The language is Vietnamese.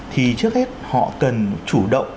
thì trước hết họ cần chủ động